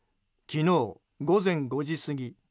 昨日午前５時過ぎ。